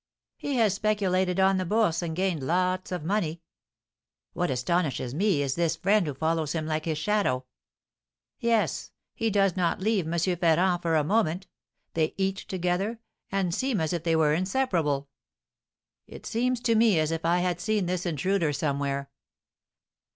"He has speculated on the Bourse, and gained lots of money." "What astonishes me is this friend who follows him like his shadow." "Yes, he does not leave M. Ferrand for a moment; they eat together, and seem as if they were inseparable." "It seems to me as if I had seen this intruder somewhere!"